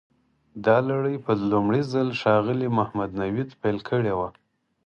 دا لړۍ په لومړي ځل ښاغلي محمد نوید پیل کړې وه.